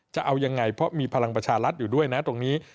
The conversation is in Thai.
จะเอายังไงเพราะมีพลังประชารัฐอยู่ด้วยนะตรงนี้